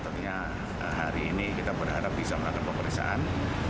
tentunya hari ini kita berharap bisa melakukan pemeriksaan